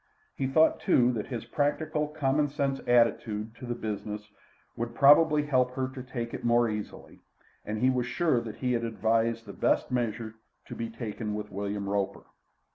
He thought, too, that his practical, common sense attitude to the business would probably help her to take it more easily, and he was sure that he had advised the best measure to be taken with William Roper.